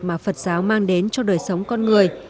mà phật giáo mang đến cho đời sống con người